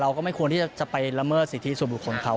ก็ไม่ควรที่จะไปละเมิดสิทธิส่วนบุคคลเขา